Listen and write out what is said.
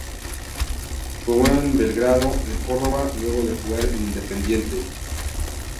Jugó en Belgrano de Córdoba luego de jugar en Independiente